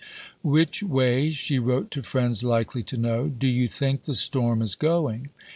"Which way," she wrote to friends likely to know, "do you think the storm is going?"